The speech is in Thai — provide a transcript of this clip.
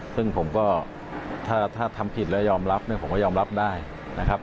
ซึ่งผมก็ถ้าทำผิดแล้วยอมรับเนี่ยผมก็ยอมรับได้นะครับ